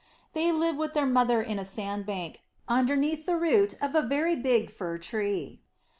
They lived with their mother in a sand bank, underneath the root of a very big fir tree.